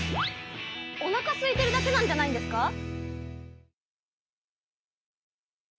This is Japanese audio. おなかすいてるだけなんじゃないんですか？